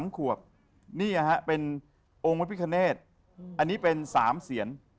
๒๓ขวบนี่นะฮะเป็นโอมพิคเนศอันนี้เป็นสามเศียร